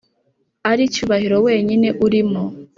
ari cyubahiro wenyine urimo